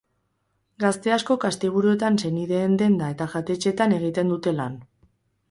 Gazte askok asteburuetan senideen denda eta jatetxetan egiten dute lan.